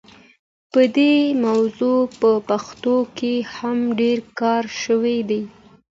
په دې موضوع په پښتو کې هم ډېر کار شوی دی.